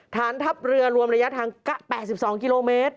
ฐานทัพเรือรวมระยะทาง๘๒กิโลเมตร